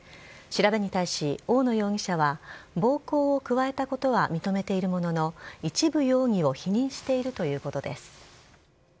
調べに対し、大野容疑者は暴行を加えたことは認めているものの一部容疑を否認しているということです。